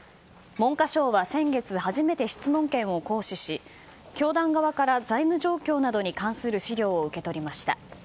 文科省は先月初めて質問権を行使し教団側から財務状況などに関する資料を受け取りました。